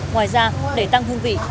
ngoài ra để tăng hương vị